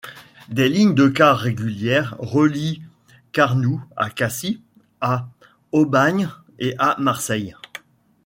Des lignes de car régulières relient Carnoux à Cassis, à Aubagne et à Marseille.